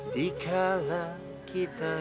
dikala kita dua